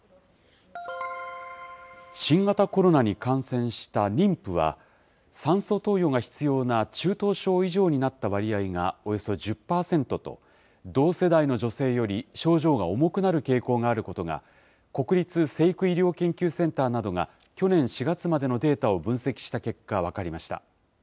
新型コロナに感染した妊婦は、酸素投与が必要な中等症以上になった割合がおよそ１０％と、同世代の女性より症状が重くなる傾向があることが、国立成育医療研究センターなどが去年４月までのデータを分析した結果、分かりました。